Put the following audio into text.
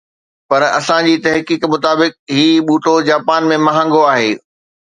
پر اسان جي تحقيق مطابق هي ٻوٽو جاپان ۾ مهانگو آهي